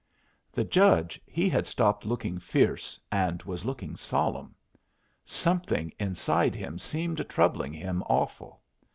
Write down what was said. The judge he had stopped looking fierce and was looking solemn. Something inside him seemed a troubling him awful.